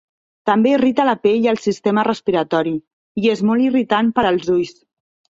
També irrita la pell i el sistema respiratori, i és molt irritant per als ulls.